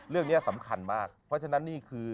เรื่องเนี่ยสำคัญมากเพราะฉะนั้น